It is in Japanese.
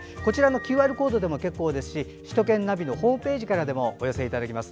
ＱＲコードからでも結構ですし首都圏ナビのホームページからでもお寄せいただけます。